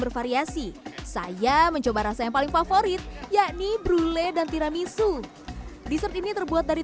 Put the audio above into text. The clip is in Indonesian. bervariasi saya mencoba rasa yang paling favorit yakni brule dan tiramisu dessert ini terbuat dari